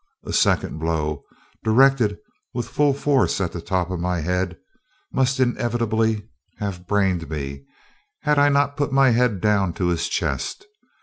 A second blow, directed with full force at the top of my head, must inevitably have brained me, had I not put my head down to his chest.